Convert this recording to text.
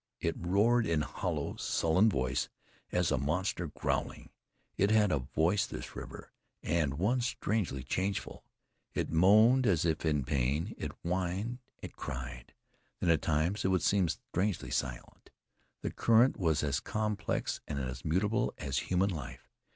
It roared in hollow, sullen voice, as a monster growling. It had voice, this river, and one strangely changeful. It moaned as if in pain it whined, it cried. Then at times it would seem strangely silent. The current as complex and mutable as human life.